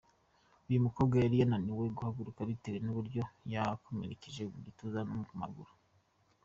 Uyu mukobwa yari yananiwe guhaguruka bitewe n’uburyo yamukomerekeje mu gituza no ku maguru.